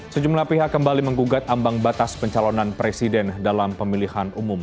sejumlah pihak kembali menggugat ambang batas pencalonan presiden dalam pemilihan umum